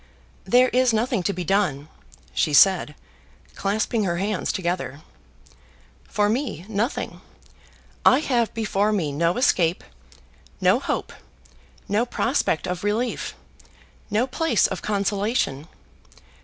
"There is nothing to be done," she said, clasping her hands together. "For me nothing. I have before me no escape, no hope, no prospect of relief, no place of consolation.